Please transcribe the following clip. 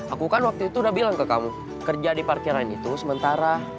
aku kan waktu itu udah bilang ke kamu kerja di parkiran itu sementara